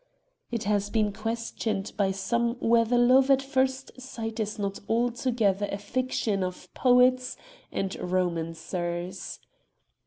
It has been questioned by some whether love at first sight is not altogether a fiction of poets and romancers.